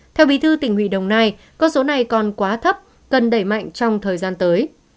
theo bí thư tỉnh hủy đồng nai con số này còn quá thấp cần đẩy mạnh trong thời gian tới